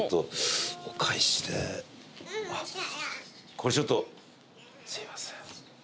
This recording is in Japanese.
これちょっとすいません